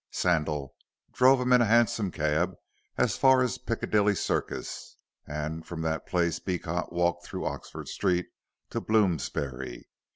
Sandal drove him in a hansom as far as Piccadilly Circus, and from that place Beecot walked through Oxford Street to Bloomsbury.